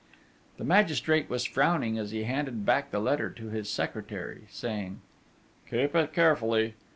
_ The magistrate was frowning as he handed back the letter to his secretary, saying: 'Keep it carefully.'